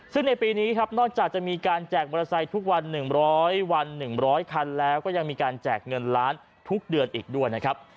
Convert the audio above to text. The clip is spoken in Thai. ซึ่งในปีนี้ครับนอกจากจะมีการแจกมอเตอร์ไซค์ทุกวัน๑๐๐วัน๑๐๐คันแล้วก็ยังมีการแจกเงินล้านทุกเดือนอีกด้วยนะครับ